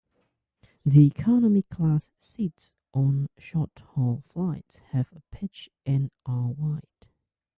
The Economy Class seats on short-haul flights have a pitch and are wide.